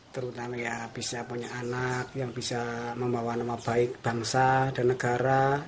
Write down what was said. terutama ya bisa punya anak yang bisa membawa nama baik bangsa dan negara